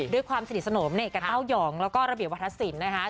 ด้วยความสนิทสนมกับเต้ายองแล้วก็ระเบียบวัฒนศิลป์นะคะ